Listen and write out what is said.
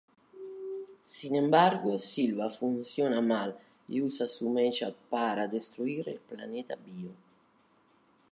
Sin embargo, Silva funciona mal y usa su mecha para destruir el planeta Bio.